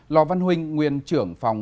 lò văn huynh nguyên trưởng phòng